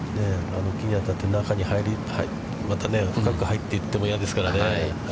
あの木に当たって中に、また深く入っていっても嫌ですからね。